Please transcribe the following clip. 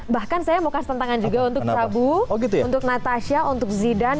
bahkan saya mau kasih tantangan juga untuk prabu untuk natasha untuk zidan